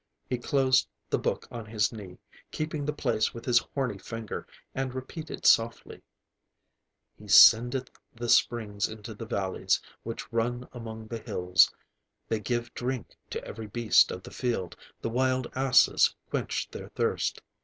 He closed the book on his knee, keeping the place with his horny finger, and repeated softly:— He sendeth the springs into the valleys, which run among the hills; They give drink to every beast of the field; the wild asses quench their thirst.